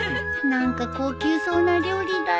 何か高級そうな料理だね